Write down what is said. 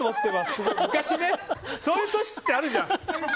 昔ね、そういう年ってあるじゃん。